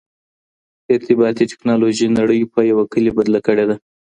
ارتباطي ټکنالوژي نړۍ په یو کلي بدله کړې ده.